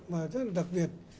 và rất là đặc biệt